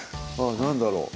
何だろう